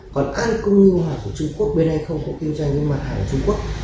còn ăn cung nghiêu hoàng của trung quốc bên anh không có tiêu danh với mặt hàng của trung quốc